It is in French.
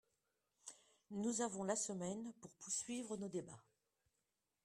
Nous avons la semaine pour poursuivre nos débats.